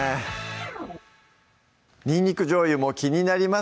にんにくじょうゆも気になります